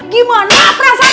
gimana perasaan em